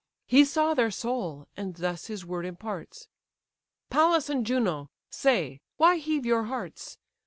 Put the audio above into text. He saw their soul, and thus his word imparts: "Pallas and Juno! say, why heave your hearts?